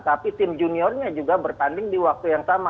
tapi tim juniornya juga bertanding di waktu yang sama